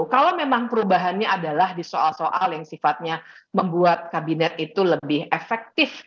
kalau memang perubahannya adalah di soal soal yang sifatnya membuat kabinet itu lebih efektif